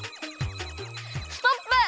ストップ！